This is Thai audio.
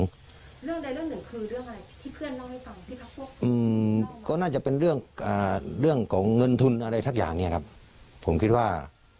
เรื่องใดเรื่องหนึ่งคือเรื่องอะไรที่เพื่อนเล่าให้ฟังที่เขาพูดอืมก็น่าจะเป็นเรื่องของเงินทุนอะไรสักอย่างเนี่ยครับผมคิดว่า